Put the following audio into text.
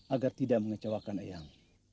agar tidak mengecewakan ayang